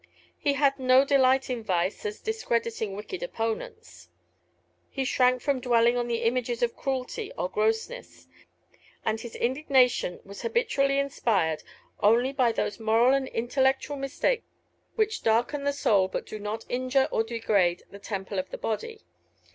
He had no delight in vice as discrediting wicked opponents; he shrank from dwelling on the images of cruelty or grossness, and his indignation was habitually inspired only by those moral and intellectual mistakes which darken the soul but do not injure or degrade the temple of the body.